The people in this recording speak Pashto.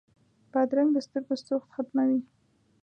بادرنګ د سترګو سوخت ختموي.